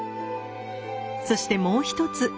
そしてもう一つ。